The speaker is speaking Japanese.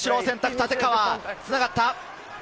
立川につながった。